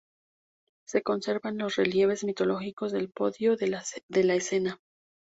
Se conservan los relieves mitológicos del podio de la escena.